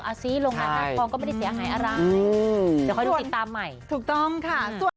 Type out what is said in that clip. เอาสิลงมาทางพองก็ไม่ได้เสียหายอะไรอืมเดี๋ยวค่อยดูติดตามใหม่ถูกต้องค่ะ